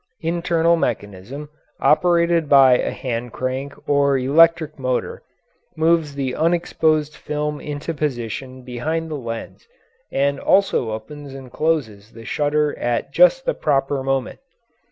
Internal mechanism, operated by a hand crank or electric motor, moves the unexposed film into position behind the lens and also opens and closes the shutter at just the proper moment.